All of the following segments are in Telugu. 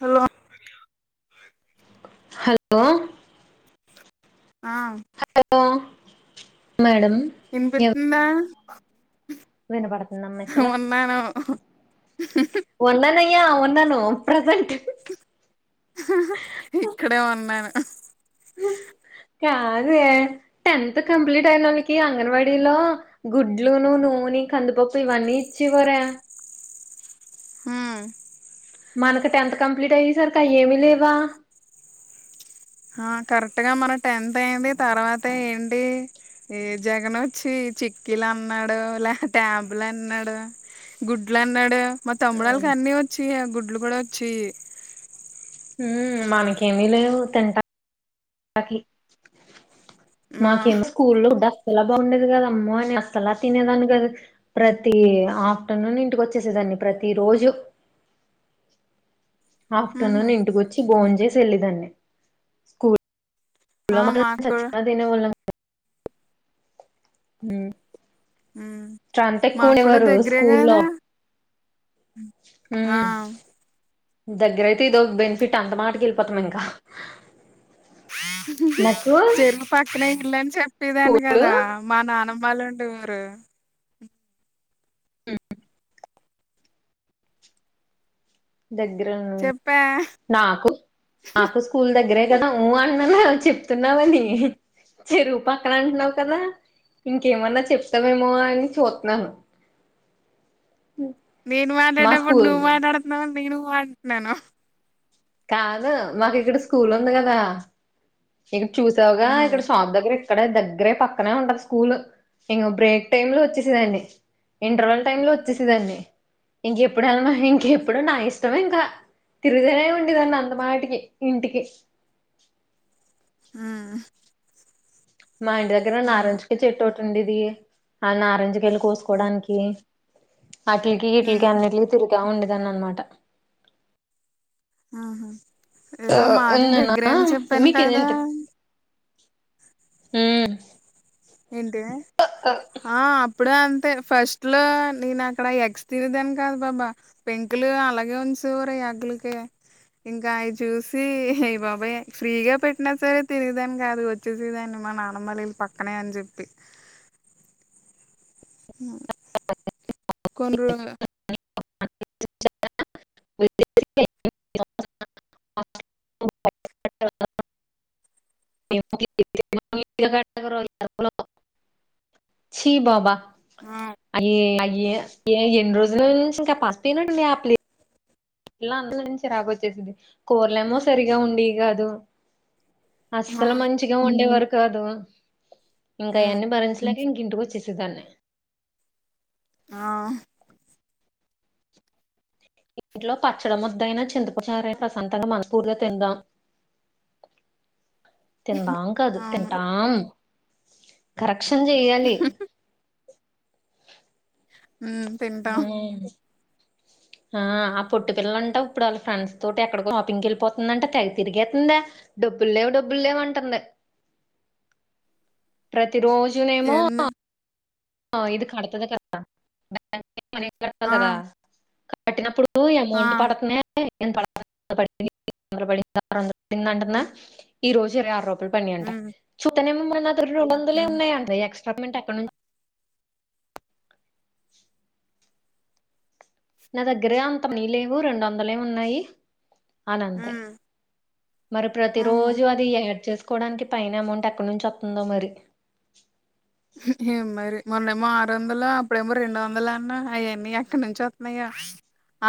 హలో హలో ఆ హలో మేడం ఇన్పితుందా వినబాడుతుంద్ నమే ఉన్నాను ఉన్నానయ్యా ఉన్నాను ప్రసెంట్ ఇక్కడే ఉన్నాను కాదే టెన్త్ కంప్లీట్ అయినోళ్ళకి అంగన్వాడీలో గుడ్లును నూనె కందిపప్పు ఇవన్నీ ఇచ్చివరే ఉహ్ మనకు టెన్త్ కంప్లీట్ ఆయే సరికి అయ్ ఏమి లేవా. ఆ కరెక్ట్ గా మన టెన్త్ అయింది తర్వాత ఏంటి ఏ జగన్ వచ్చి చిక్కిలు అన్నాడు లే ట్యాబ్ లు అన్నాడు. గుడ్లు అన్నాడు. మా తమ్ముడళ్కి అన్ని వచ్చి గుడ్లు కూడా వచ్చి ఉహ్మ్ మనకేమీ లేవు తింటా తకీ ఆ మాకేమో స్కూల్లో డిస్లాబా ఉండేది గదా ఆమో అని అస్తలా తినేదాని గాద్ ప్రతి ఆఫ్టర్నూన్ ఇంటికి వచ్చేసేదాన్ని ప్రతి రోజు ఉహు ఆఫ్టర్నూన్ ఇంటికోచ్చి బోన్ చేసి వెళ్ళేదాన్ని ఆ ప్లోమా మాకు కూడా చచ్చిన తినే వాళ్ళం కా ఉ ఉ మాకు కూడా ఉండేవారు దగ్గరే కదా హు ఆ దగ్గరైతే ఇదో బెనిఫిట్ అంత మాటకి వెళ్ళిపోతాం ఇంకా నాకు చెరువు పక్కనే ఇల్లని చెప్పేదాన్ని స్కూల్ కదా మా నానమ్మలు ఉండే ఊరు దగ్గరున్నా చెప్పా నాకు నాకుస్ స్కూల్ దగ్గరే కదా ఉ అన్నా చెప్తున్నావని చెరువు పక్కన అంటున్నావు కదా ఇంకేమన్నా చెప్తావేమో అని చూతున్నాను నేను మా మాట్లాడేప్పుడు స్కూల్ నువ్వు మాట్లాడుతున్నావు అని నేను ఉ అంటున్నాను కాదు మాకు ఇక్కడ స్కూల్ ఉంది కదా ఇక్కడ చూసావుగా హ్మ్ ఇక్కడ షాప్ దగ్గర ఇక్కడ దగ్గరే పక్కనే ఉంటాది స్కూలు ఇంకా బ్రేక్ టైమ్ లో వచ్చేసేదాన్ని ఇంటర్వాల్ టైమ్ లో వచ్చేసదాన్నీ ఇంకెప్పుడు వెళ్ళమా ఇంకెప్పుడు నా ఇష్టమే ఇంకా తిరుగుగానే ఉండేదన్ని అంతమాటికి ఇంటికి ఆ మా ఇంటి దగ్గర నారజికయ చెట్టు ఒకటి ఉండేది ఆ నారజికయలు కోసుకోవడానికి అటిల్కి వీటిల్కి హ్మ్ అన్నింటికి తిరిగ ఉండేదన్నీ అనమాట ఆహా ఏదో మాది నేనా దగ్గరని చెప్పాను మీకు కదా ఉ ఏంటి ఆ అప్పుడు అంతే ఫస్ట్ లో నేను అక్కడ ఎగ్స్ తీరదాని కాదు బాబా పెంకులు అలాగే ఉంది సువరాయకిలికి ఇంకా అయి చూసి అయి బాబోయి ఫ్రీగా పెట్టినా సరే తినేదాన్ని కాదు వెచ్చేసేదాన్ని మా నానమ్మలిల్లు పక్కనే అని చెప్పి హ్ కొన్రో [unintelligible] [unintelligible] లు చీ బాబా ఆ! అయ్యే అయ్యే ఏ ఎన్ని రోజ్ల్ ల్ నుంచి ఇంకా ప్రస్తినట్టుంద్ అప్లీ ఇలా అందరి నుంచి చిరాకు వచ్చేసిది కూరలేమో సరిగా ఉండేవి కాదు అసలు అవును. మంచిగా ఉండేవారు కాదు హ్మ్. ఇంకావన్నీ భరించ్ లేక ఇంక ఇంటికి వచ్చేసేదాన్ని ఆహ్ ఇంట్లో పచ్చడం హా ముద్దయినా చింతపచార్ అయిన ప్రశాంతంగా మనస్ఫూర్తిగా తిందాం తిందాం కాదు అవును. తింటాం కరక్షన్ చెయ్యాలి ఉహు తింటాం ఉహు ఆ ఆ పొట్టి పిల్లంట ఇప్పుడు వాళ్ళ ఫ్రెండ్స్ తో ఎక్కడో షాపింగ్కి వెళ్ళపోతుందంట తెగ తిరిగేతుందే డబ్బుల్ లేవ్ డబ్బుల్ లేవంటుంది ప్రతి రోజు ఎన్ ఆ ఇది కడతది కదా బాంక్ కి మనీ కట్టాలి ఆ! గదా కట్టినప్పుడూ ఆ ఎమౌంట్ పడతున్యా [unintelligible] [unintelligible] ఈ రోజు ఇరవైయార్ పడినయంట హ్మ్ చూత్తనెమో మళ్ళ అందుల రొండొందలే హ్మ్ ఉన్నాయంట ఎక్స్ట్రా పేమెంట్ ఎక్కడ్ను చు నా దగ్గరే అంత మనిలేవు రోండొందలే ఉన్నాయి ఆనంది హ్మ్ మరి ప్రతి ఆహా రోజు అది యాడ్ చేసుకోవడానికి పైనెమౌంట్ ఎక్కడ్నుంచొత్తందో మరి హు హెమ్మరి మొన్నేమో ఆరొందలు అప్పుడేమో రెండు వందలన్న అయన్నీ ఎక్కడ్నుంచొత్తునయో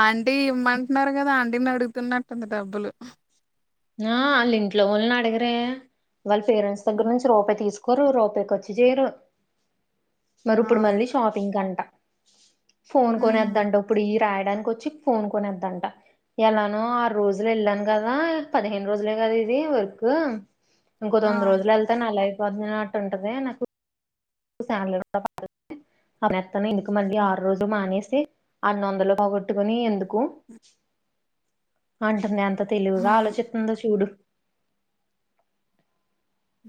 ఆంటీ ఇమ్మంట్న్నారు గదా ఆంటీనడుగుతున్నట్టుంది డబ్బులు ఆ ఆళ్లింట్లో వాళ్ళని అడిగరే వాళ్ళ పేరెంట్స్ దగ్గర్ హ్మ్. నుంచి రూపాయి తీసు కోరు రూపాయి ఖర్చు జేయరు ఆ మరిప్పుడు మళ్ళీ షాపింగ్కంట ఫోన్ హుహు కొనేద్దంట ఇప్పుడియ్యి రాయడానికొచ్చి ఫోన్ కొనేద్దంట ఎలానో ఆరు రోజులు వెళ్ళాంగదా పదిహేను రోజులే గదిదీ వర్కూ ఇంకో ఆ తొమ్మిది రోజులెళ్తె నెలైపో తంటదీ అన్నా [unintelligible] మానేత్తను ఎందుకు మళ్ళీ ఆరు రోజులు మానేసి అన్నొందలు పోగొట్టుకుని ఎందుకు అంటుంది అ త తెలివిగా అవును ఆలోచిత్తుందో చూడు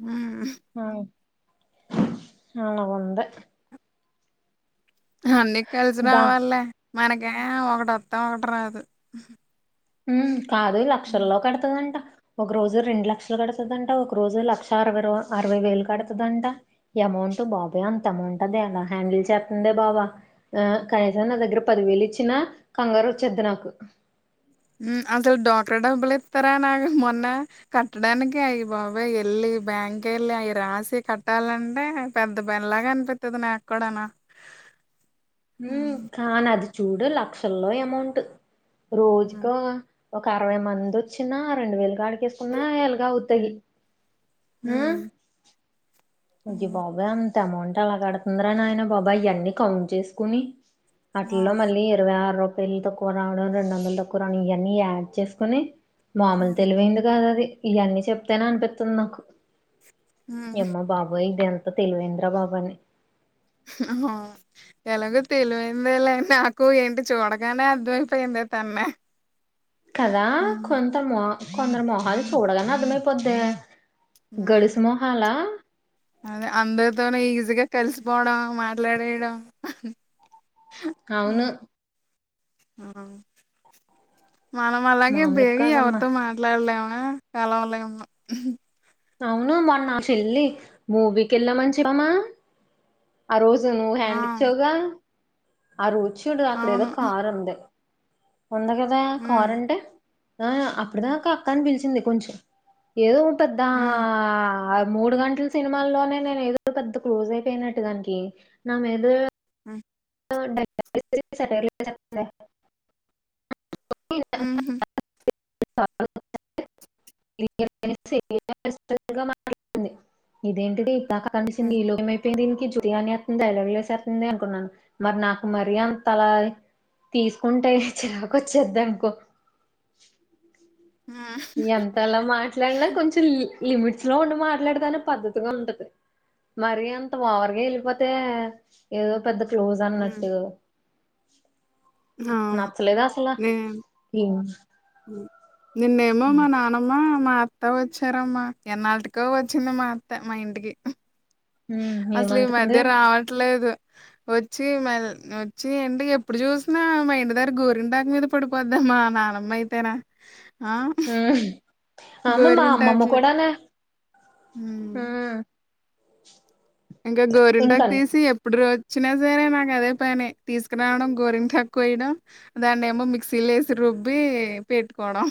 ఆ ఆ ఆనగుంది హన్నీ కలిసి దా రావాల్లే మనకేమో ఒకటోత్తా ఒకటి రాదు ఊ కాదు హ్మ్ లక్షల్లో కడతుదంట ఒక రోజు రెండు లక్షలు కడతదంట ఒక రోజు లక్ష అరవై రో అరవై వేలు కడతదంట ఎమౌంట్ బాబోయ్ అంత ఎమౌంటది ఎలా హ్యాండిల్ చేత్తుందే బాబ ఆ కనీసం నా దగ్గర పదివేలిచ్చినా కంగారొచ్చేద్ది నాకు ఉ అసలు డోక్రా డబ్బులిత్తరా నాకు మొన్నా కట్టడానికి అయి బాబోయ్ ఎళ్ళి బ్యాంకెళ్ళి అవి రాసి కట్టాలంటే పెద్ద పనిలాగా అనిపిత్తది నాక్కుడానూ ఉ కానది చూడు లక్షల్లో ఎమౌంట్ హ్మ్. రోజుకో ఒకరవై మందొచ్చినా రెండు వేలు కాడికేసుకున్నా ఎలగవుతది హ అయ్య బాబోయ్ అంతెమౌంట్ ఎలా కడతుందరా నాయన బాబాయ్ అయన్నీ కౌంట్ చేసుకుని ఆ అటిల్లో మళ్ళీ ఇరవై ఆరు రూపాయలు తక్కువ రావడం రెండోదలు తక్కువ రావడం ఇవన్నీ యాడ్ చేసుకుని మామూలు హ్మ్ తెలివైంది గాదది ఇయన్నీ చెప్తేననిపిత్తుంది నాకు ఎమ్మో బో ఇదెంత తెలివైంద్రబాబని హ్ హవు ఎలగు తెలివైందే లే నాకు ఏంటి చూడగానే అర్థమైయిపోయింది తన్ని కదా కొంతమో కొందరు మొహాలు చూడాగానే అర్థమైపోద్దీ హ్మ్ గడుసుమొహాల అదే అందరితోను ఈజీగ కలిసిపోవడం మాట్లాడేయడం అవును ఉమ్, ఆ మనం అలాగే మామూలుగా బేగి కాదమ్మా ఎవరితో మాట్ వెల వెళ్ళవ కాలం ఉళవ ఉనం అవును మన్ చెల్లి మూవీకి వెళ్ళామని చెప్పమా ఆ రోజు నువ్వు ఆ హ్యాండ్ ఇచ్చావుగా ఆ రోజు చూడు అక్కడ ఏదో అవును కార్ ఉంది ఉంది కదా హ్మ్ కార్ అంటే ఆ అప్పుడుదాక అక్క అని పిలిచింది కొంచెం ఏదో పెద్ద హ్మ్ మా ఆ మూడు గంటలు సినిమాల్లోనే నేను ఏదో పెద్ద క్లోజ్ అయిపోయినట్టు దానికి నా మీద ఆ ఓ డైలాగ్స్ వేసి సెటిర్ లు వేసేస్తుంది ఉహు [unintelligible] [unintelligible] ఇదేంటటి ఇది కండిషన్ హ్మ్ ఈ లోమ అయింది దీనికి జు అని అంది డైలాగు వేస్తుంది అనుకున్నాను మరి నాకు మరి అంత అలా తీసుకుంటే చిరాకు వచ్చేదీ అనుకో ఎంత అలా మాట్లాడినా కొంచెం లిమిట్స్ లో ఉండి మాట్లాడేదా అనే పద్ధతిగా ఉంటది మరి అంత వర్గా వెళ్ళిపోతే ఏదో పెద్ద క్లోజ్ హ్మ్ అన్నట్టు అవును నచ్చలేదా అసలా నేను ఏం నిన్నేమో మా నానమ్మ మా అత్త వచ్చారమ్మా ఎన్నాటికో వచ్చింది మా అత్త మా ఇంటికి అసలు ఈ ఏమంటుంది మధ్య రావట్లేదు వచ్చి మ వచ్చి అంటి ఎప్పుడు చూసినా మా ఇంటి దగ్గర గోరింటక మీద పొడిపోదే మా నానమ్మ అయితేనా ఆ హ్మ్ అమ మా అమ్మమ్మ గోరింటాకులు కూడాన హ్మ్ ఇంగ గోరింటాక్ ఇంకా తీసి ఎప్పుడురో చిన సరే నాకు అదే పనే తీసుకురావడం గోరింటాక్ కోయడం దన్నేమో మిక్సీలో ఏసీ రుబ్బి పెట్టుకోవడం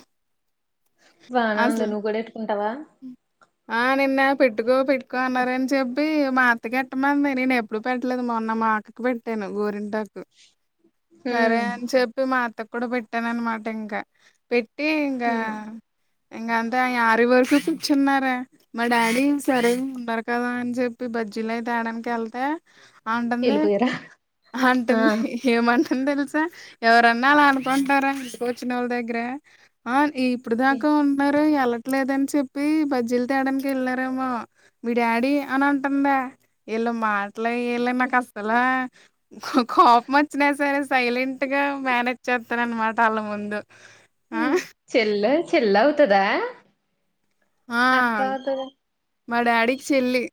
బానే ఉంది నువ్వు అసలు గుడా ఎట్టుకుంటవ ఆ నిన్న పెట్టుకో పెట్టుకో అన్నారని చెప్ పి మా అత్త కెట్టమంది నేను ఎప్పుడు పెట్టలేదు మొన్న మా అక్కకు పెట్టాను గోరింటాకు సరే ఉమ్ అని చెప్పి మా అత్త కూడా పెట్టాను అనుమాట ఇంకా పెట్ హ్మ్ ఇంగంతే ఆరివరకు కూర్చున్నారే మా డాడీ సరే ఉండరు కదా అని చెప్పి బజ్జీల అయి తేడానికెళ్తే అంటది వెళ్ళిపోయారా ఆ అంటది ఏమంటంది తెలుసా ఎవరన్నాల అనుకుంటారా ఇంటికి వాళ్ళ దగ్గర అ ఇప్పుడు దాకా ఉన్నారు ఎలాట్లేదని చెప్ పి బజ్జీలు తడానికి వెళ్లారేమో మీ డాడీ అని అంటదే ఎళ్ళ మా ఇల ఇల నాక్ అసల్ కోపం వచ్చినా సరే సైలెంట్ గా మేనేజ్ చెత్తననుమాట ఆళ్ళ ముందు ఆ హ్మ్ చెల్ల చెల్ల అవుతదా అక్క ఆ అవుతదా మా డాడీకి చెల్లి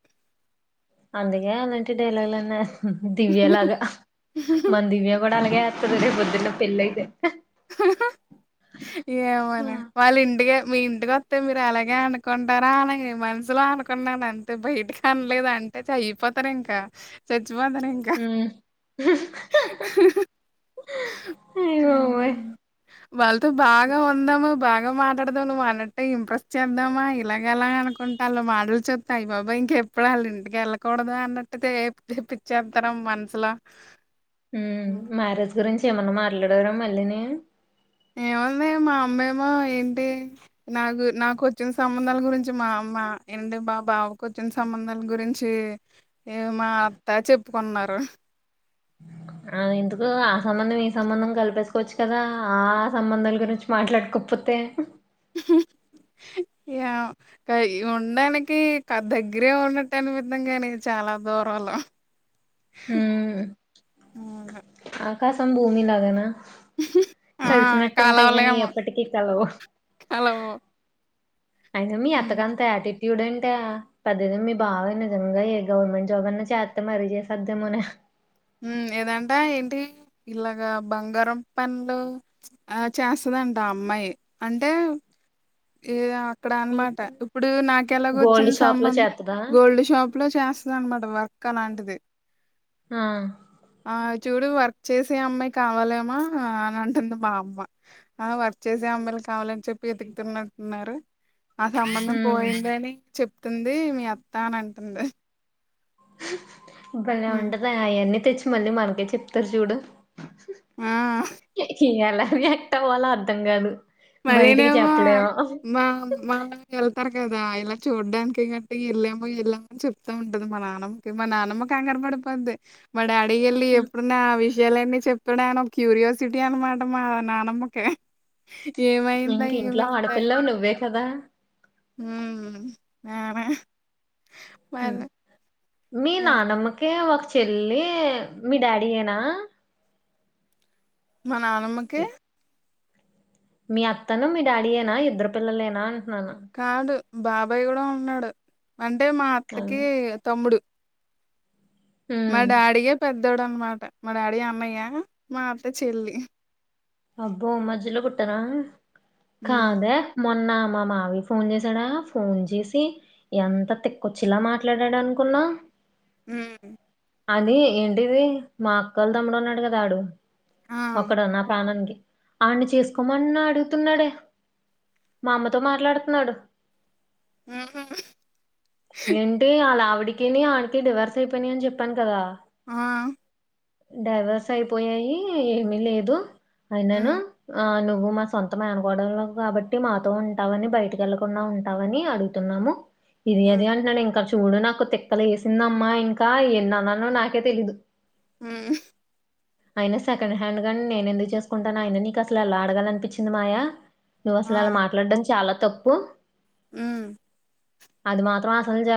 అందుకే అలాంటి డైలాగ్లు అన్ని దివ్య లాగా మన దివ్య కూడ అలాగే ఇతది రేపుపోదున్నే పెళ్ళయితే హ ఏమోనే వాళ్ళ ఇంటిక మీ ఇంటికోతే మీరు అలాగే అనుకుంటారా అనగే మనుసులో అను కున్నాను అంతే బయ్టకనలేదు అంటే చైపోతారు ఇంకా చచ్చిపోతారు ఇంకా హ్మ్ హ హు అయ్యో వాళ్ళతో బాగా ఉందాము బాగా మాట్లాడదాం నువ్వు అన్నట్టే ఇంప్రెస్ చేద్దామ ఇలాగ అలా అనుకో కొంట వాళ్ళు మాటలు చెప్పి అయ్బాబోయ్ ఇంకెప్పుడు వాళ్ళ ఇంటికి వెళ్ళకూడదు అన్నట్టుతే తెప్పిచేతారం మనస్లో హ్మ్ మ్యారేజ్ గురించి ఏమన్నా మాట్లాడారా మళ్ళీ ని ఏముంది మా అమ్మేమో ఏంటి నాగు నాకొచ్చిన సంబంధాల గురించి మా అమ్మ అంటే మా బావకొచ్చిన సంబంధాల గురించి ఏ మా అత్తా చెప్పుకున్నారు అ ఎందుకు ఆ సంబంధం ఈ సంబంధం కలిపేసుకోవచ్చు కదా ఆ సంబంధాల గురించి మాట్లాడుకోపోతే ఏమో కా ఉండానికి దగ్గరే ఉన్నట్టని అనిపితం గని చాలా దూరలూ హ్మ్ అవును. ఆకాసం భూమిలాగన ఆ కల్సినట్టు ఉంటాయి గాని ఎప్పటికీ కలవు అలవు అయినా మీ అత్తకంత యటి టుడే ఎంటే పెద్దదో మీ బావ నిజంగా ఏ గవర్నమెంట్ జాబ్ అన్నా చేస్తే మరీ చేసేద్దమనే హ్మ్ ఏదంటా ఏంటి ఇలాగా బంగారం పండ్లు అ చేస్తదంట ఆ అమ్మాయి అంటే ఏ అక్కడ ఉమ్ అన్మాట ఇప్పుడు నాకెలాగా గోల్డ్ వచ్చింది షాప్ లో సంబంధం చేత్తదా గోల్డ్ షాప్ ఇప్పులో చేస్తది అన్మాట వర్క్ అలాంటిది అ ఆ చూడు వర్క్ చేసే అమ్మాయి కావాలేమా అని అంటుంది మా అమ్మ ఆ వర్క్ చేసే అమ్మాయిలు కావాలని చెప్పి ఎత్కుతున్నట్ ఉన్నారు ఆ సంబంధం ఉమ్. పోయింది అని చెప్తుంది మీ అత్తా అని అంటంది భలే ఉంటదె అవన్నీ తెచ్చి మళ్ళీ మనకే చెప్తారు చూడు ఆ ఇ ఎలా రియాక్ట్ అవ్వాలో అర్థం కాదు బయటికి మళ్ళీనేమో చెప్పలేము మా మా వెళ్తారు కదా ఇలా చూడ్డానికి గట్టి వెళ్ళామో వెళ్ళామని చెప్తా ఉంటది మా నాన్న మా నాన్నమ్మ కంగారు పడిపోద్ది మ డా రియల్లీ ఉమ్, ఎప్పుడు నా ఆ విషయాలన్నీ చెప్పడాను ఒక క్యూరియాసిటీ అనమాట మా నానమ్మకే ఏమైందా ఇంక ఇంట్లో ఏమైందాని ఆడపిల్లవు నువ్వే కదా హ్మ్ నాన్న మర్ ఉమ్. మీ నానమ్మకే ఒక చెల్లి మీ డాడీయేనా మా నానమ్మకి మీ అత్తను మీ డాడీయనా ఇద్దరు పిల్లలేనా అంట్నాను కాదు బాబాయ్ కూడా ఉన్నాడు అంటే మా అవును. అత్తకి తమ్ముడు మా ఉమ్. డాడీయే పెద్దోడు అనమాట మా డాడీ అన్నయ్య మా అత్త చెల్లి అబ్బో మ్జలో పుట్టారా హ్మ్ కాదే మొన్న మా మావయ్య ఫోన్ చేసాడా ఫోన్ చేసి ఎంత తిక్కొచ్చిలా మాట్లాడాడు అనుకున్నా ఉ అది ఏంటిది మా అక్కకోలా తమ్ముడు ఉన్నాడు కదాడు ఆ ఒకడు నా నానికి ఆన్ని చేసుకోమని అడుగుతున్నాడే మా అమ్మతో మాట్లాడుతున్నాడు ఉ ఏంటిే అలా ఆవిడికినే ఆనకి డివర్స్ అయిపోయినా అని చెప్పాను కదా ఆ డైవర్స్ అయిపోయాయి ఏమిీ లేదు అయినాను ఉమ్ ఆ నువ్వు మా సొంతం మేనకోడలాం కాబట్టి మాతో ఉంటావని బయటకి వెళ్ళలకుండా ఉంటావని అడుగు తున్నాము ఇది అది ఉమ్ అంటున్నాను ఇంకా చూడు నాకు తిక్కలు లేసిందమ్మా ఇంకా ఎన్న అన్నానో నాకే తెలీదు ఉ ఆయన సెకండ్ హ్యాండ్ గానీ నేను ఎందుకు చేసుకుంటాను ఆయన నీకు అసలు ఎలా ఆడగాల అనిపించింది మాయా నువ్వు అసలు ఆ అలా మాట్లాడడం చాలా తప్పు ఉ అది మాత్రం ఆసలు జర్